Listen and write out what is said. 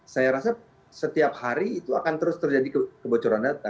saya rasa setiap hari itu akan terus terjadi kebocoran data